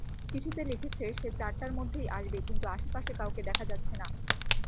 চিঠিতে লিখেছে সে চারটার মধ্যেই আসবে, কিন্তু আশেপাশে কাউকে দেখা যাচ্ছে না।